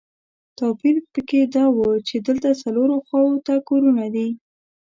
توپیر په کې دا و چې دلته څلورو خواوو ته کورونه دي.